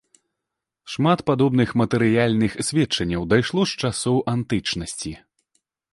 Шмат падобных матэрыяльных сведчанняў дайшло з часоў антычнасці.